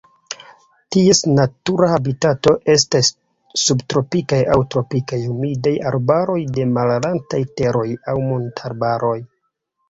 Ties natura habitato estas subtropikaj aŭ tropikaj humidaj arbaroj de malaltaj teroj aŭ montarbaroj.